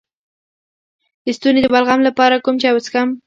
د ستوني د بلغم لپاره کوم چای وڅښم؟